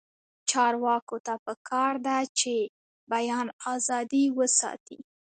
چارواکو ته پکار ده چې، بیان ازادي وساتي.